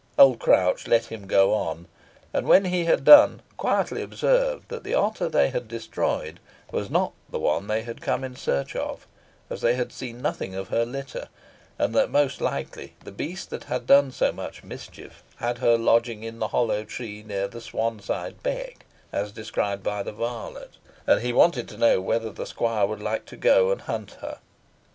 Old Crouch let him go on, and when he had done, quietly observed that the otter they had destroyed was not the one they came in search of, as they had seen nothing of her litter; and that, most likely, the beast that had done so much mischief had her lodging in the hollow tree near the Swanside Beck, as described by the varlet, and he wished to know whether the squire would like to go and hunt her.